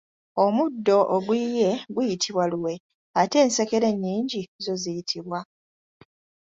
Omuddo oguyiye guyitibwa luwe, ate ensekere ennyingi zo ziyitibwa ?